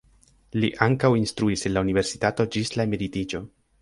Li ankaŭ instruis en la universitato ĝis la emeritiĝo.